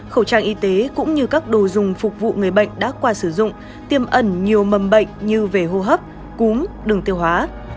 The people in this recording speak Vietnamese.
khẩu trang y tế cũng như các đồ dùng phục vụ người bệnh đã qua sử dụng tiêm ẩn nhiều mầm bệnh như về hô hấp cúm đường tiêu hóa